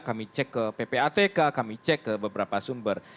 kami cek ke ppatk kami cek ke beberapa sumber